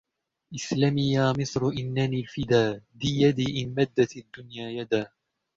اسْلَمِي يا مِصْرُ إنِّنَى الفدا ذِى يَدِى إنْ مَدَّتِ الدّنيا يدا